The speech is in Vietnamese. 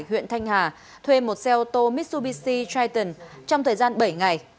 huyện thanh hà thuê một xe ô tô mitsubishi triton trong thời gian bảy ngày